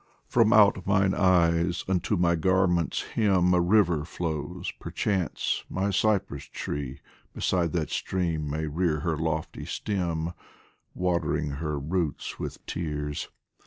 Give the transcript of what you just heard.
From out mine eyes unto my garment's hem A river flows ; perchance my cypress tree Beside that stream may rear her lofty stem, Watering her roots with tears.